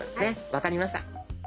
分かりました。